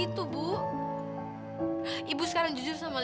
itu dia om om